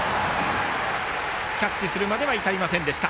キャッチするまでは至りませんでした。